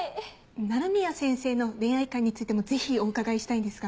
鳴宮先生の恋愛観についてもぜひお伺いしたいんですが。